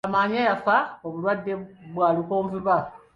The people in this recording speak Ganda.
Kamaanya yafa obulwadde bwa lukonvuba.